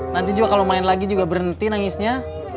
nanti juga kalau main lagi juga berhenti nangisnya